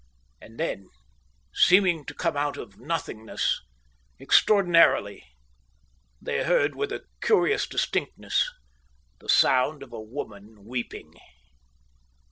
And then, seeming to come out of nothingness, extraordinarily, they heard with a curious distinctness the sound of a woman weeping.